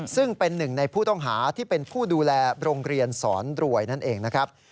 ซึ่งเป็นหนึ่งในผู้ต้องหาที่เป็นผู้ดูแลโรงเรียนสอนรวยนั่นเองนะครับ